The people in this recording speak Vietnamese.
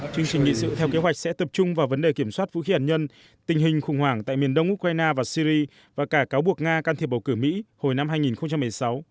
chương trình nghị sự theo kế hoạch sẽ tập trung vào vấn đề kiểm soát vũ khí hắt nhân tình hình khủng hoảng tại miền đông ukraine và syri và cả cáo buộc nga can thiệp bầu cử mỹ hồi năm hai nghìn một mươi sáu